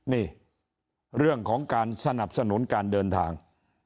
นี่เรื่องของการสนับสนุนการเดินทาง